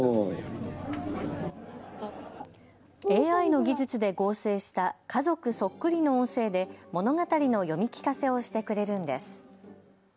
ＡＩの技術で合成した家族そっくりな音声で物語の読み聞かせをしてくれるんです。